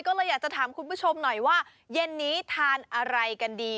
ก็เลยอยากจะถามคุณผู้ชมหน่อยว่าเย็นนี้ทานอะไรกันดี